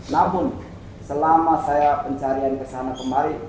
namun selama saya pencarian kesana kemari